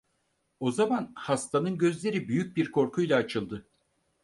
O zaman hastanın gözleri büyük bir korkuyla açıldı.